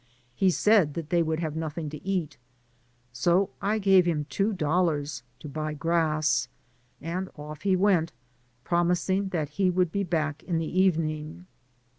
He said that they would have nothing to eat, I therefore gave him two dollars to buy grass, and off he went, promising that he would be back in the evening.